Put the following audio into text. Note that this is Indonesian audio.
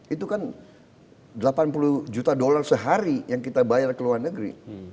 itu kan delapan puluh juta dolar sehari yang kita bayar ke luar negeri